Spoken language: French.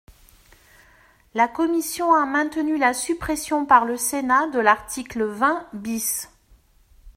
La commission a maintenu la suppression par le Sénat de l’article vingt bis.